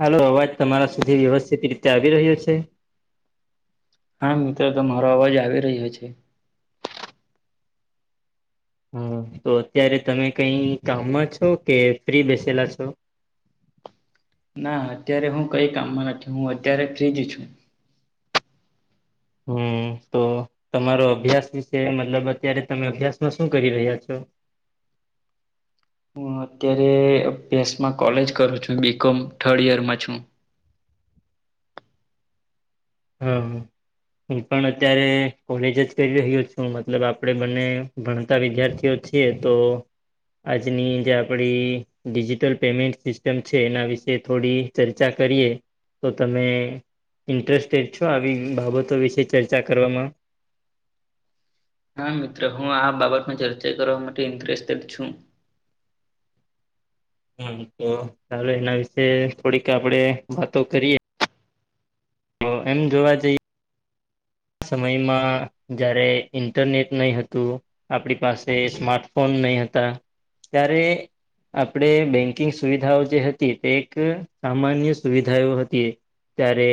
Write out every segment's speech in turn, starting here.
હાલો અવાજ તમારા સુધી વ્યવસ્થિત રીતે આવી રહ્યો છે? હા મિત્ર તમારો અવાજ આવી રહ્યો છે. હા તો અત્યારે તમે કઈ કામમાં છો. કે ફ્રી બેસેલા છો? ના અત્યારે હું કઈ કામમાં નથી. હું અત્યારે ફ્રીજ છું. હમ તો તમારો અભ્યાસ વિશે મતલબ અત્યારે તમે અભ્યાસમાં શું કરી રહ્યા છો? હું અત્યારે અભ્યાસમાં કોલેજ કરું છું બી કોમ થર્ડ ઈયરમાં છું. હમ. હું પણ અત્યારે કોલેજ જ કરી રહ્યો છું. મતલબ આપણે બંને ભણતા વિદ્યાર્થીઓ જ છે. તે તો આજની જે આપણી ડિજિટલ પેમેન્ટ સિસ્ટમ છે એના વિશે થોડી ચર્ચા કરીએ તો તમે ઇન્ટરસ્ટ [unintelligible] આવી બાબતો વિશે ચર્ચા કરવામાં? હા મિત્ર હું આ બાબતમાં ચર્ચા કરવા માટે ઇન્ટરેસ્ટેડ છું. હમ તો ચાલો એના વિશે થોડીક આપડે વાતો કરીએ તો એમ જોવા જઈએ આ સમયમાં જ્યારે ઇન્ટરનેટ નઈ હતું આપણી પાસે સ્માર્ટફોન નઈ હતા. ત્યારે આપણે બેન્કિંગ સુવિધાઓ જે હતી તે એક સામાન્ય સુવિધાઓ હતી ત્યારે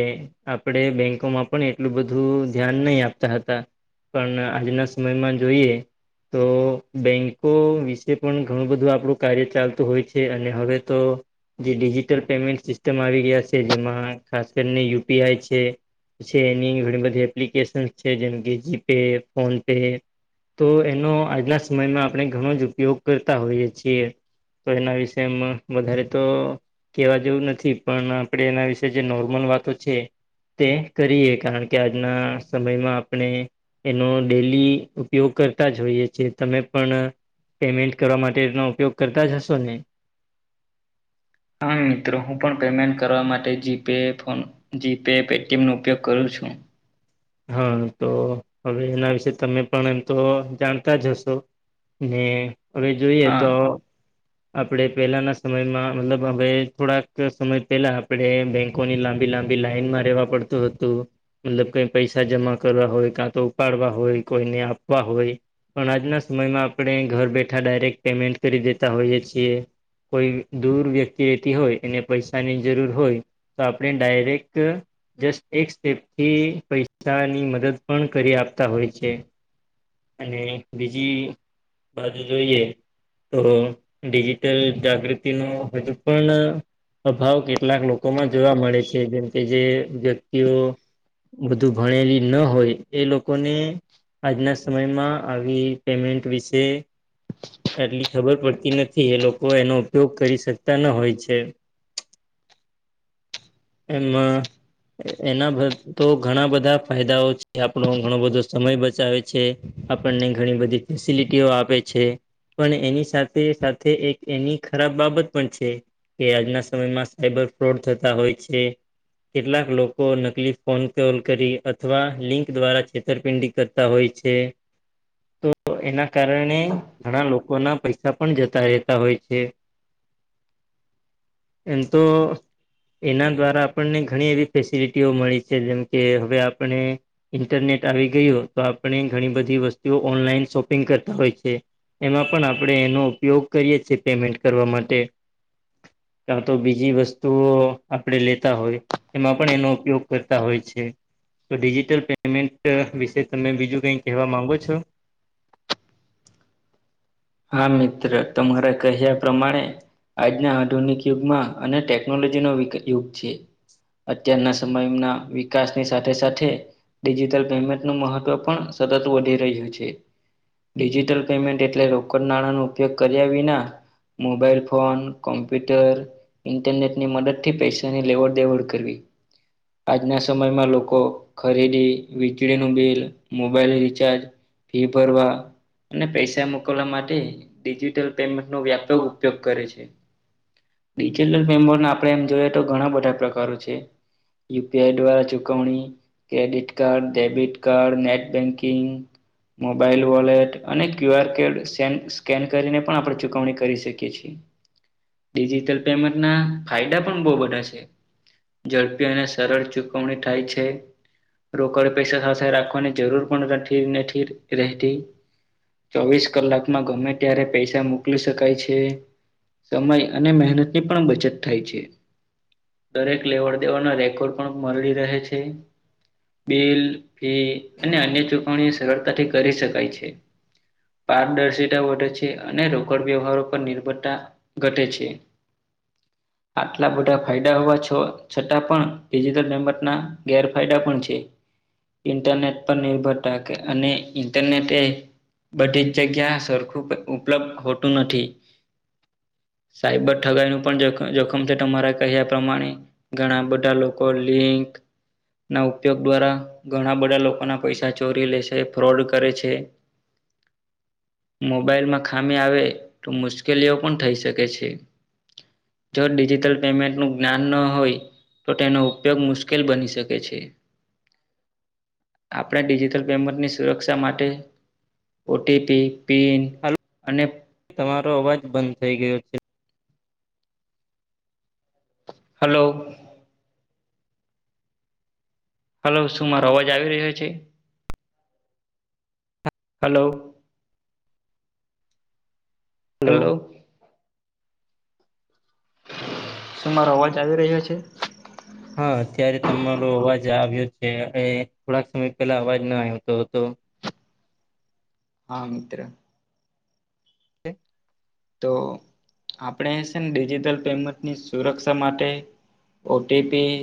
આપણેે બેંકોમાં પણ એટલું બધું ધ્યાન નઈ આપતા હતા પણ આજના સમયમાં જોઈએ તો બેંકો વિશે પણ ઘણું બધું આપણું કાર્ય ચાલતું હોય છે. અને હવે તો જે ડિજિટલ પેમેન્ટ સિસ્ટમ આવી ગયા છે. જેમાં ખાસ કરીને યુપી આઈ છે. એની ઘણી બધી એપ્લિકેશન છે જેમ કે જીપે, ફોન પે તો એનો આજના સમયમાં આપણે ઘણો જ ઉપયોગ કરતા હોઈએ છીએ તો એના વિશે એમ અ વધારે તો કેવા જેવું નથી પણ આપણે એના વિશે જે નોર્મલ વાતો છે. તે કરીએ. કારણ કે આજના સમયમાં આપણે એનો ડેલી ઉપયોગ કરતા જ હોઈએ છે. તમે પણ પેમેન્ટ કરવા માટેનો ઉપયોગ કરતા જ હશો ને? હા મિત્ર હું પણ પેમેન્ટ કરવા માટે જીપે ફોન જીપે. પેટી. એમ નો ઉપયોગ કરું છું. હા તો હવે એના વિશે તમે પણ એમ તો જાણતા જ હશો ને હવે જોઈએ હા તો આપણે પેલાના સમયમાં મતલબ હવે થોડાક સમય પેલા આપણે બેંક ઘણી લાંબી લાંબી લાઈનમાં રહેવા પડતું હતું મતલબ કઈ પૈસા જમા કરવા હોય કાં તો ઉપાડવા હોય કોઈને આપવા હોય પણ આજના સમયમાં આપણે ઘર બેઠા ડાયરેક્ટ પેમેન્ટ કરી દેતા હોઈએ છીએ કોઈ દૂર વ્યક્તિ રહેતી હોય એને પૈસાની જરૂર હોય તો આપણે ડાયરેક્ટ જસ્ટ એક સેપથી પૈસાની મદદ પણ કરી આપતા હોય છે. અને બીજી બાજુ જોઈએ તો ડિજિટલ જાગૃતિ નું હજુ પણ અભાવ કેટલાક લોકોમાં જોવા મળે છે જેમ કે જે વ્યક્તિઓ બધું ભણેલી ન હોય એ લોકોને આજના સમયમાં આવી પેમેન્ટ વિશે આટલી ખબર પડતી નથી એ લોકો એનો ઉપયોગ કરી શકતા ના હોય છે. [unintelligible] એમાં એના તો ઘણા બધા ફાયદાઓ છે આપણો ઘણો બધો સમય બચાવે છે. આપણને ઘણી બધી ફેસિલિટીઓ આપે છે પણ એની સાથે તે સાથે એક એની ખરાબ બાબત પણ છે. કે આજના સમયમાં સાયબર ફ્રોડ થતા હોય છે. કેટલાક લોકો નકલી ફોન કોલ કરી અથવા લિંક દ્વારા છેતરપિંડી હોય છે તો એના કારણે ઘણા લોકો ના પૈસા પણ જતા રહેતા હોય છે એમ તો એના દ્વારા આપણને ઘણી એવી ફેસિલિટીઓ મળી છે જેમકે હવે આપણે ઇન્ટરનેટ આવી ગયું તો આપણે ઘણી બધી વસ્તુઓ ઓનલાઈન શોપિંગ કરતા હોય છે એમાં પણ આપણે એનો ઉપયોગ કરીએ છે પેમેન્ટ કરવા માટે કા તો બીજી વસ્તુઓ આપડે લેતા હોય એમાં પણ એનો ઉપયોગ કરતા હોય છે તો ડિજીિટલ પેમેન્ટ વિશે તમે બીજું કઈ કહેવા માંગો છો હા મિત્ર તમારા કહ્યા પ્રમાણે આજના આધુનિક યુગમાં અને ટેકનોલોજી નો યુગ છે અત્યારના સમયના વિકાસની સાથે સાથે ડિજિટલ પેમેન્ટનું મહત્વ પણ સતત વધી રહ્યું છે ડિજિટલ પેમેન્ટ એટલે રોકડ નાણાંનો ઉપયોગ કર્યા વિના મોબાઈલ ફોન કોમ્પ્યુટર ઇન્ટરનેટ ની મદદ થી પૈસાની લેવડ દેવડ કરવી આજના સમયમાં લોકો ખરીદી વીજળીનું બિલ મોબાઈલ રિચાર્જ ફી ભરવા અને પૈસા મોકલવા માટે ડિજિટલ પેમેન્ટનો વ્યાપક ઉપયોગ કરે છે ડિજિટલ પેમેન્ટના આપણે એમ જોઈએ તો ઘણા બધા પ્રકારો છે યુપીઆઈ દ્વારા ચૂકવણી credit card debit card net banking mobile wallet અને Q R code scan scan કરીને પણ આપણે ચુકવણી કરી શકીએ છે ડિજિટલ પેમેન્ટના ફાયદા પણ બો બધા છે. ઝડપી અને સરળ ચુકવણી થાય છે. રોકડ પૈસા સાથે રાખવાની જરૂર પણ નથી નથી રહેતી. ચોવીસ કલાકમાં ગમે ત્યારે પૈસા મોકલી શકાય છે. સમય અને મહેનતની પણ બચત થાય છે. દરેક લેવડ દેવડના રેકોર્ડ પણ મળી રહે છે. બિલ ફી અને અન્ય ચુકવણી સરળતાથી કરી શકાય છે પારદર્શિતા વધે છે અને રોકડ વ્યવહાર પર નિર્ભરતા ઘટે છે [inaudible] આટલા બધા ફાયદા હોવા છો છતાં પણ ડિજિટલ પેમન્ટ ના ગેરફાયદા પણ છે ઇન્ટરનેટ પર નિર્ભરતા અને ઇન્ટરનેટે બધી જ જગ્યા સરખું ઉપલબ્ધ હોતું નથી. સાયબર ઠગાઈ નું પણ જોખમ છે તમારા કહ્યા પ્રમાણે. ઘણા બધા લોકો લિંક ના ઉપયોગ દ્વારા ઘણા બધા લોકોના પૈસા ચોરી લે છે ફ્રોડ કરે છે મોબાઈલમાં ખામી આવે તો મુશ્કેલીઓ પણ થઈ શકે છે જો ડિજિટલ પેમેન્ટ નું જ્ઞાન ન હોય. તો તેનો ઉપયોગ મુશ્કેલ બની શકે છે આપણે ડિજિટલ પેમેન્ટની સુરક્ષા માટે. ટી પી પિન હાલો અને તમારો અવાજ બંધ થઈ ગયો છે. હલો. હલો શું મારો અવાજ આવી રહ્યો છે હલો હલો. શું મારો અવાજ આવી રહ્યો છે. હા અત્યારે તમારો અવાજ આવ્યો છે એ થોડાક સમય પહેલા અવાજ ના આવતો હતો હા મિત્ર ઓ તો આપણે છે ને ડિજિટલ પેમેન્ટની સુરક્ષા માટે ઓટીપી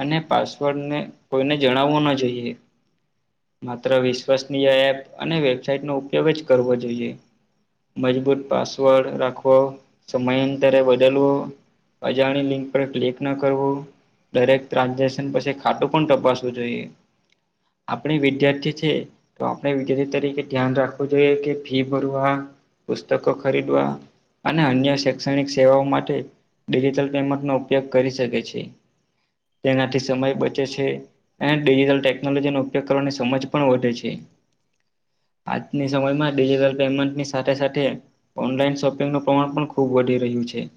અને પાસવર્ડને કોઈને જણાવવું ના જોઈએ માત્ર વિશ્વસનીય એપ અને વેબસાાઈટનો ઉપયોગ જ કરવો જોઈએ મજબૂત પાસવર્ડ રાખવો સમયઅંતર એ બદલવો અજાણી લિંક પર ક્લિક ન કરવું દરેક ટ્રાન્ઝેક્શન પછી ખાટું પણ ટપાસવું જોઈએ આપણી વિદ્યાર્થી છે. તો આપણે વિદ્યાર્થી તરીકે ધ્યાન રાખવું જોઈએ કે ફી ભરવા પુસ્તકો ખરીદવા અને અન્ય શૈક્ષણિક સેવાઓ માટે ડિજિટલ પેમેન્ટનોો ઉપયોગ કરી શકે છે. તેનાથી સમય બચે છે. અને ડિજિટલ ટેકનોલોજીનોો ઉપયોગ કરવાની. સમજ પણ વધે છે. આજની સમયમાં ડિજિટલ પેમેન્ટની સાથે સાથે ઓનલાઈન શોપિંગનું પ્રમાણ પણ ખૂબ વધી રહ્યું છે.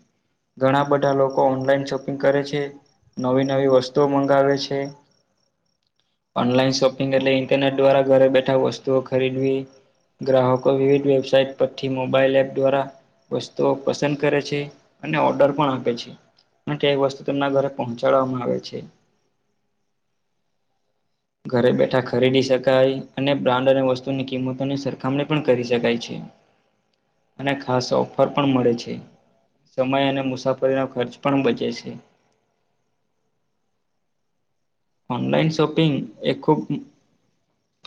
ઘણા બધા લોકો ઓનલાઈન શોપિંગ કરે છે. નવી નવી વસ્તુઓ મંગાવે છે. ઓનલાઈન શોપિંગ એટલે ઈન્ટરનેટ દ્વારા ઘરે બેઠા વસ્તુઓ ખરીદવી ગ્રાહકો વિવિધ વેબસાઇટ પછી મોબાઈલ એપ દ્વારા વસ્તુઓ પસંદ કરે છે અને ઓર્ડર પણ આપે છે. અને કે એક વસ્તુ તેમના ઘરે પહોંચાડવામાં આવે છે. ઘરે બેઠા ખરીદી શકાય અને બ્રાન્ડ અને વસ્તુની કિંમતોની સરખામણી પણ કરી શકાય છે. અને ખાસ ઓફર પણ મળે છે. સમય અને મુસાફરીનો ખર્ચ પણ બચે છે. ઓનલાઈન શોપિંગ એ ખૂબ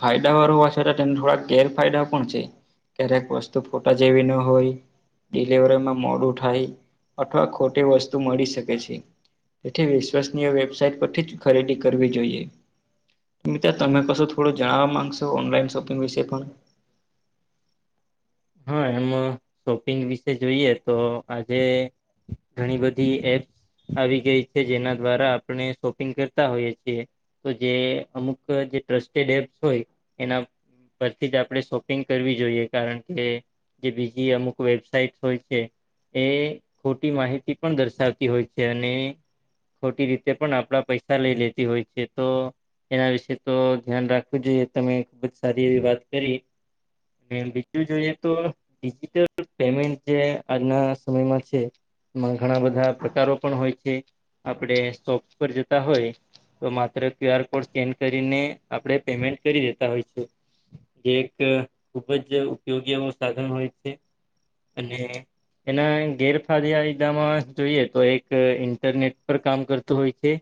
ફાયદા વાર હોય છે તેને થોડા ગેરફાયદા પણ છે. ક્યારેક વસ્તુ ફોટા જેવી ન હોય ડિલવરીમાં મોડું થાય અથવા ખોટી વસ્તુ મળી શકે છે. તેથી વિશ્વસનીય વેબસાાઈટ પરથી જ ખરીદી કરવી જોઈએ મિત્ર તમે કશું થોડું જણાવવા માંગશો ઓનલાઈન શોપિંગ વિશે પણ હા એમ શોપિંગ વિશે જોઈએ તો આજે ઘણી બધી એપ આવી ગઈ છે જેના દ્વારા આપણે શોપિંગ કરતા હોઈએ છીએ. તો જે અમુક જે ટ્રસ્ટેડ એપ્સ હોય એના પરથી જ આપણે શોપિંગ કરવી જોઈએ કારણ કે જે બીજી અમુક વેબસાઇટ હોય છે. એ ખોટી માહિતી પણ દર્શાવતી હોય છે અને ખોટી રીતે પણ આપણા પૈસા લઈ લેતી હોય છે તો એના વિશે તો ધ્યાન રાખવું જોઈએ તમે ખૂબ જ સારી એવી વાત કરી અને બીજૂ જોઈએ તો ડિજિટલ પેમેન્ટ જે આજના સમયમાં છે. માં ઘણા બધા પ્રકારો પણ હોય છે આપડે શૉપ પર જતા હોય તો માત્ર ક્યુ આર કોડ સ્કેન કરીને આપણે પેમેન્ટ કરી દેતા હોય છે. જે એક ખુબ જ ઉપયોગી એવો સાધન હોય છે અને એના ગેરફાયદેયદામાં જોઈએ તો એક ઇન્ટરનેટ પર કામ કરતું હોય છે.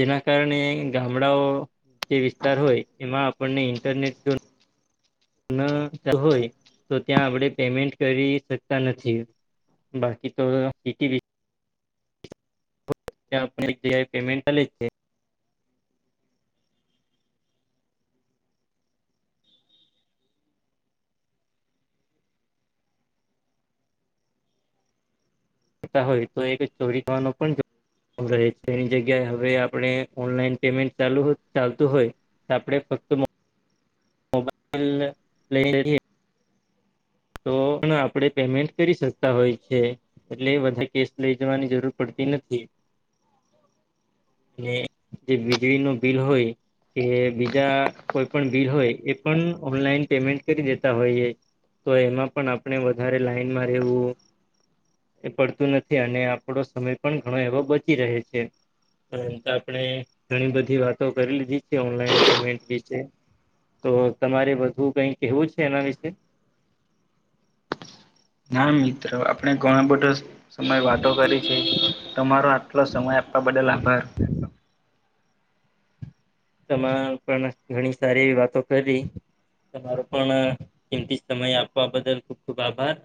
જેના કારણે ગામડાઓ જે વિસ્તાર હોય એમાં આપણને ઈન્ટરનેટ ના ત્યાં હોય તો ત્યાં આપણે પેમેન્ટ કરી શકતા નથી. બાકી તો હવે સીટી વિ. ત્યાં આપણે યુ પી આઈ પેમેન્ટ ચાલે જ છે. તા હોય તો એક ચોરી થવાનો પણ જો. ખમ રહે હવે તેની જગ્યાએ હવે આપણે ઓનલાઈન પેમેન્ટ ચાલુ ચાલતું હોય. તે આપડે ફક્ત મોબાઈલ લઈ લએ તો પણ આપણેે પેમેન્ટ કરી શકતા હોય છે એટલે બધા કેશ લઈ જવાની જરૂર પડતી નથી. [inaudible] અને જે વીજળીનું બિલ હોય કે બીજા કોઈ પણ બિલ હોય એ પણ ઓનલાઈન પેમેન્ટ કરી દેતા હોઈએ. તો એમાં પણ આપણે વધારે લાઈનમાં રહેવું. એ પડતું નથી અને આપણો સમય પણ ઘણો એવો બચી રહે છે. પર આપણે ઘણી બધી વાતો કરી લીધી છે ઓનલાઈન પેમેન્ટ વિશે તો તમારે વધું કઈ કહેવું છે એના વિશે હા મિત્ર આપણે ઘણો બધા સમય વાતો કરી છે તમારા આટલો સમય આપવા બદલ આભાર. તમારે પણ ઘણી સારી એવી વાતો કરી તમારો પણ કિંમતી સમય આપવા બદલ ખુબ ખુબ આભાર.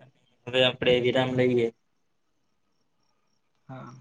હવે આપડે વિરામ લઈએ. હા.